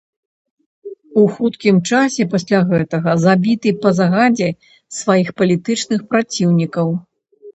У хуткім часе пасля гэтага забіты па загадзе сваіх палітычных праціўнікаў.